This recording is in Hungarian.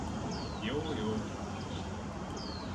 Jó, jó!